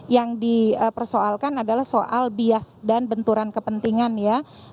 yang dipersoalkan adalah soal bias dan benturan kepentingan ya